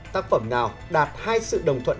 tác phẩm nào đạt hai sự đồng thuận